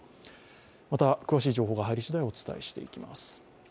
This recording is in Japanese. また、詳しい情報が入りしだい、お伝えしていきます。